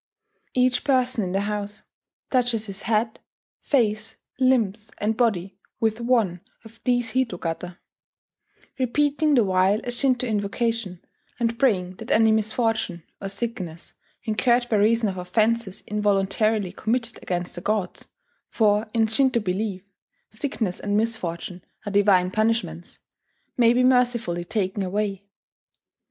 Each person in the house touches his head, face, limbs, and body with one of these hitogata; repeating the while a Shinto invocation, and praying that any misfortune or sickness incurred by reason of offences involuntarily committed against the gods (for in Shinto belief sickness and misfortune are divine punishments) may be mercifully taken away.